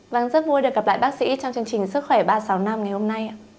vâng rất vui được gặp lại bác sĩ trong chương trình sức khỏe ba trăm sáu mươi năm ngày hôm nay